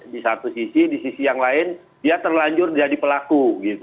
di satu sisi di sisi yang lain dia terlanjur jadi pelaku